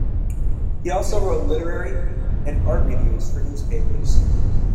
He also wrote literary and art reviews for newspapers.